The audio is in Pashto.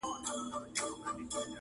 تر مرګه مي په برخه دي کلونه د هجران!!